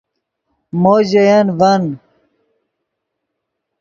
مو ژے ین ڤن